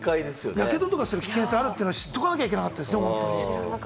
やけどする危険性があるのは知っておかなきゃいけないですよね。